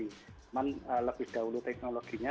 namun lebih dahulu teknologinya